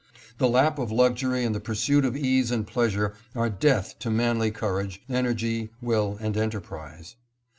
The lap of luxury and the pursuit of ease and pleasure are death to manly courage, energy, will, and enterprise.